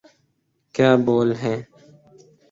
کیا بول ہیں۔